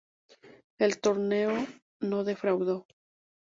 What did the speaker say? El torneo no defraudó.